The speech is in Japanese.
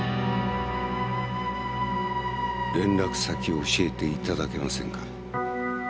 連絡先を教えて頂けませんか？